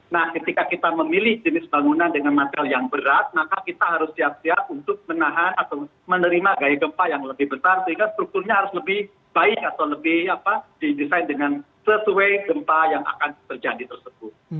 nah ketika kita memilih jenis bangunan dengan material yang berat maka kita harus siap siap untuk menahan atau menerima gaya gempa yang lebih besar sehingga strukturnya harus lebih baik atau lebih didesain dengan sesuai gempa yang akan terjadi tersebut